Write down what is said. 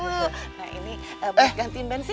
nah ini buat gantiin bensin